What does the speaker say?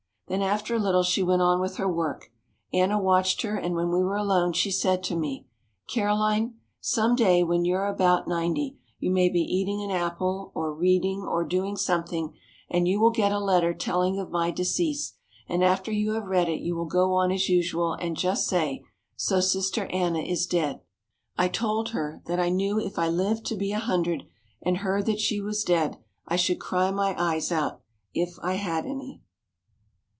Then after a little she went on with her work. Anna watched her and when we were alone she said to me, "Caroline, some day when you are about ninety you may be eating an apple or reading or doing something and you will get a letter telling of my decease and after you have read it you will go on as usual and just say, 'So sister Anna is dead.'" I told her that I knew if I lived to be a hundred and heard that she was dead I should cry my eyes out, if I had any.